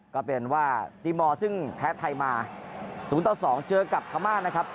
ก็เป็นว่าตีมอร์ซึ่งแพ้ไทยมา๐ต่อ๒เจอกับพม่านะครับ